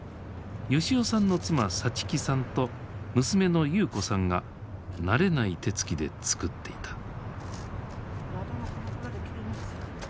吉男さんの妻さちきさんと娘の優子さんが慣れない手つきで作っていた。